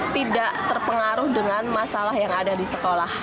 tidak terpengaruh dengan masalah yang ada di sekolah